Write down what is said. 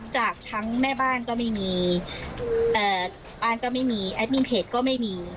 จากทั้งแม่บ้านก็ไม่มีบ้านก็ไม่มีแอดมินเพจก็ไม่มี